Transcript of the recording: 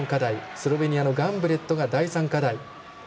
スロベニアのガンブレットが第３課題。